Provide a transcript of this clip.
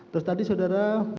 terus tadi saudara